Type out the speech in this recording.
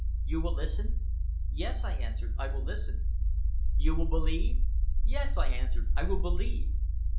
You will listen?" "Yes!" I answered, "I will listen!" "You will believe?" "Yes!" I answered, "I will believe!"